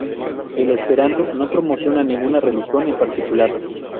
El esperanto no promociona ninguna religión en particular.